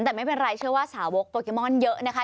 แต่ไม่เป็นไรเชื่อว่าสาวกโปเกมอนเยอะนะคะ